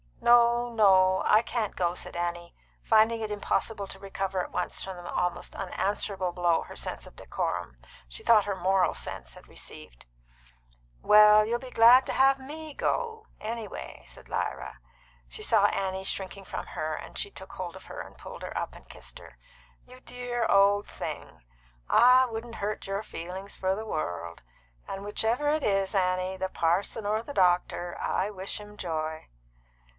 "No, no. I can't go," said Annie, finding it impossible to recover at once from the quite unanswerable blow her sense of decorum she thought it her moral sense had received. "Well, you'll be glad to have me go, anyway," said Lyra. She saw Annie shrinking from her, and she took hold of her, and pulled her up and kissed her. "You dear old thing! I wouldn't hurt your feelings for the world. And whichever it is, Annie, the parson or the doctor, I wish him joy."